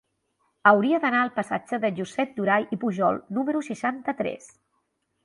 Hauria d'anar al passatge de Josep Durall i Pujol número seixanta-tres.